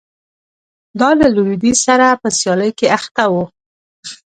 دا له لوېدیځ سره په سیالۍ کې اخته و